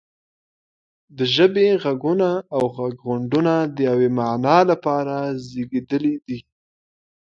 د ژبې غږونه او غږغونډونه د یوې معنا لپاره زیږیدلي دي